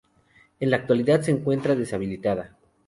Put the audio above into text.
En la actualidad se encuentra deshabitada.